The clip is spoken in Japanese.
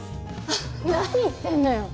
ハッ何言ってんのよ。